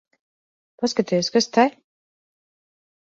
Paskaties, kas te...